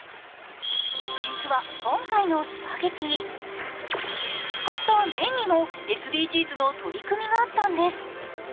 実は今回のスパゲッティ、使った麺にもＳＤＧｓの取り組みがあったんです。